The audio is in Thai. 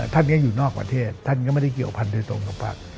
ท่านนี้อยู่นอกประเทศท่านก็ไม่ได้เกี่ยวพันธุ์โดยตรงกับภาค